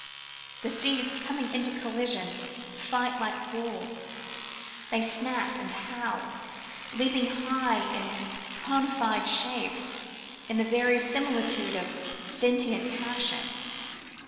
The seas, coming into collision, fight like wolves. They snap and howl, leaping high in conified shapes in the very similitude of sentient passion.